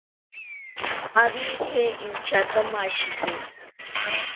Abije intyatomashiki